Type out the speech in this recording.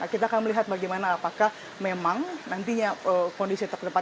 kita akan melihat bagaimana apakah memang nantinya kondisi terdepan